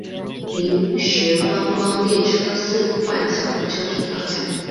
临时观光列车四万小火车停靠站。